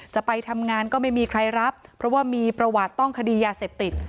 จะไปทำงานก็ไม่มีใครรับเพราะว่ามีประวัติต้องคดียาเสพติด